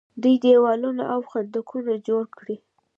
دوی دیوالونه او خندقونه جوړ کړي.